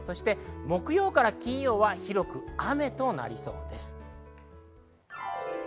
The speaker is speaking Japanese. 木曜から金曜は広く雨となりそうです。